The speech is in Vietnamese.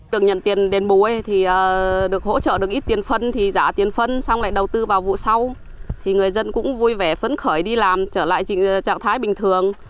được nhận tiền đền bù thì được hỗ trợ được ít tiền phân thì giả tiền phân xong lại đầu tư vào vụ sau thì người dân cũng vui vẻ phấn khởi đi làm trở lại trạng thái bình thường